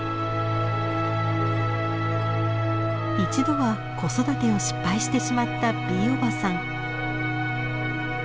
一度は子育てを失敗してしまったＢおばさん。